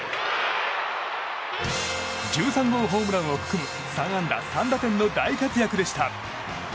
１３号ホームランを含む３安打３打点の大活躍でした。